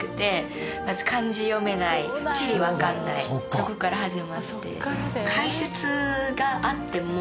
そこから始まって。